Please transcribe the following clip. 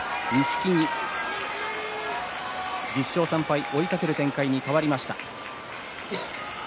１０勝３敗、追いかける展開に変わりました。